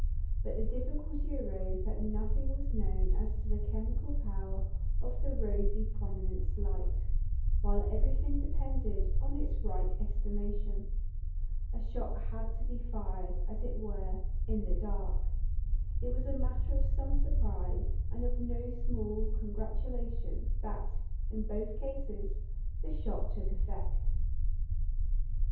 But the difficulty arose that nothing was known as to the chemical power of the rosy prominence light, while everything depended on its right estimation. A shot had to be fired, as it were, in the dark. It was a matter of some surprise, and of no small congratulation, that, in both cases, the shot took effect.